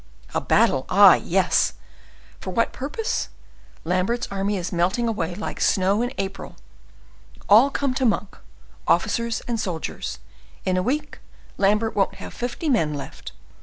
"A battle, ah, yes! for what purpose? Lambert's army is melting away like snow in April. All come to Monk, officers and soldiers. In a week Lambert won't have fifty men left."